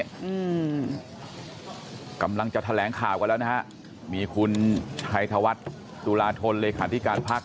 อืมกำลังจะแถลงข่าวกันแล้วนะฮะมีคุณชัยธวัฒน์ตุลาธนเลขาธิการพัก